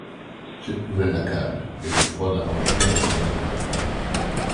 Cette nouvelle l’accable, et le froid n’arrange rien à son état.